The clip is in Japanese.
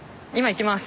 行きます。